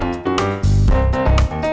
ini ada apaan ini